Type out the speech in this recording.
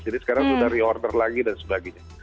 jadi sekarang sudah reorder lagi dan sebagainya